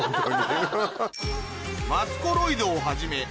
マツコロイドをはじめ